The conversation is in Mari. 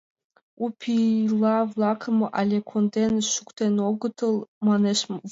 — У пила-влакым але конден шуктен огытыл, — манеш Вома.